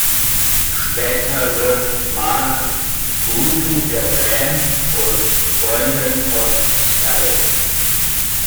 Später wird Marr Groupie der Band und Freundin von Sparrow.